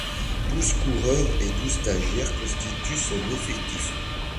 Douze coureurs et deux stagiaires constituent son effectif.